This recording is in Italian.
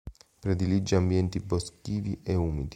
Predilige ambienti boschivi e umidi.